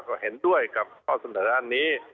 ก็เห็นด้วยกับข้อเสนอด้านนี้